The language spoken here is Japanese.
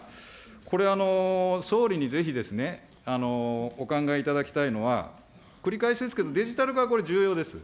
これ、総理にぜひお考えいただきたいのは、繰り返しですけれども、デジタル化、これ、重要です。